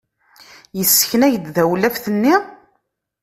Yessken-ak-d tawlaft-nni?